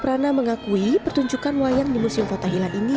perana mengakui pertunjukan wayang di musim fota hilal ini